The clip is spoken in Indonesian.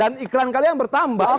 dan iklan kalian bertambah